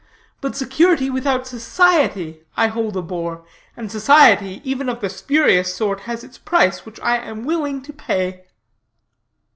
But security without society I hold a bore; and society, even of the spurious sort, has its price, which I am willing to pay.'"